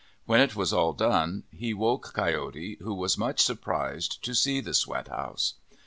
When it was all done, he woke Coyote, who was much surprised to see the sweat house.